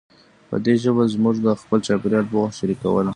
په دې ژبه موږ د خپل چاپېریال پوهه شریکوله.